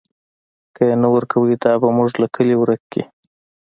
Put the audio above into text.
که یې نه ورکوئ، دا به موږ له کلي ورک کړي.